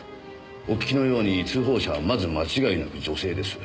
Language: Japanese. お聞きのように通報者はまず間違いなく女性です。